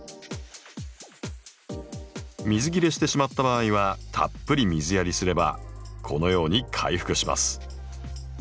水切れしてしまった場合はたっぷり水やりすればこのように回復します。